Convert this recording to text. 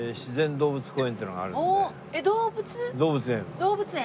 動物園。